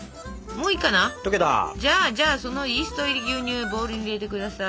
じゃあじゃあそのイースト入り牛乳をボウルに入れて下さい。